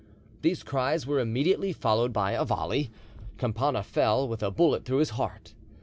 These cries were immediately followed by a volley. Campana fell, with a bullet through his heart.